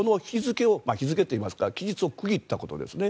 日付といいますか期日を区切ったことですね。